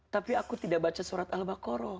tapi aku tidak baca surat al baqarah